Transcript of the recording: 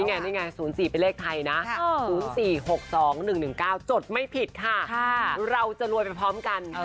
นี่ไง๐๔เป็นเลขไทยนะ๐๔๖๒๑๑๙จดไม่ผิดค่ะเราจะรวยไปพร้อมกัน